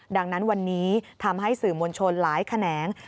ดังนั้นวันนี้ทำให้สื่อมวลชนหลายแขนง